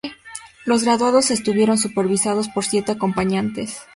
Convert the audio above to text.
Los graduados estuvieron supervisados por siete acompañantes.